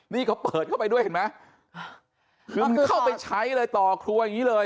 นี่เขาเปิดเข้าไปด้วยเห็นไหมคือมันเข้าไปใช้เลยต่อครัวอย่างนี้เลย